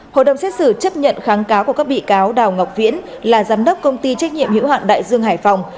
hội đồng xét xử chấp nhận kháng cáo của các bị cáo đào ngọc viễn là giám đốc công ty trách nhiệm hữu hạn đại dương hải phòng